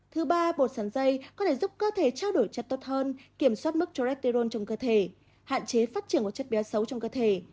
thứ ba bột sắn dây có thể giúp cơ thể trao đổi chất tốt hơn kiểm soát mức trô rét ti rôn trong cơ thể hạn chế phát triển của chất béo xấu trong cơ thể